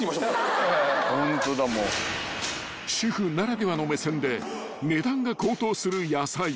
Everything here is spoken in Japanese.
［主婦ならではの目線で値段が高騰する野菜